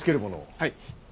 はい！